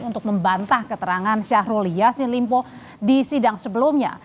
untuk membantah keterangan syahrul yassin limpo di sidang sebelumnya